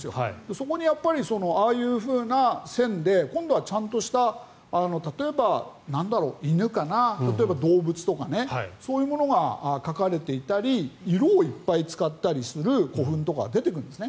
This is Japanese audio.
そこにああいうふうな線で今度はちゃんとした例えば、犬かな、動物とかそういうものが描かれていたり色をいっぱい使ったりする古墳とかが出てくるんです。